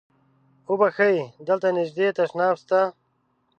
اوبښئ! دلته نږدې تشناب شته؟